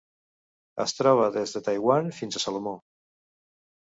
Es troba des de Taiwan fins a Salomó.